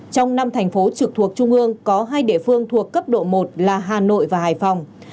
trong năm thành phố trực thuộc trung ương có hai địa phương thuộc cấp độ một là hà nội và hải phòng